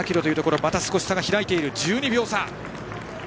また少し差が開いていて１２秒差。